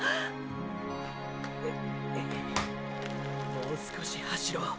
もう少し走ろう。